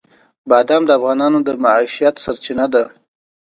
بادام د افغانانو د معیشت سرچینه ده.